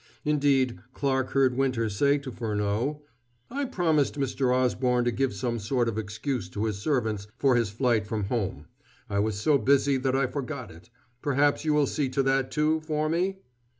Indeed, Clarke heard Winter say to Furneaux: "I promised Mr. Osborne to give some sort of excuse to his servants for his flight from home. I was so busy that I forgot it. Perhaps you will see to that, too, for me."